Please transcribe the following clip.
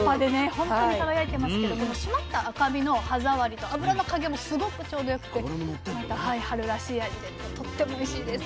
本当に輝いてますけども締まった赤身の歯触りと脂の加減もすごくちょうど良くてまた春らしい味でとってもおいしいです。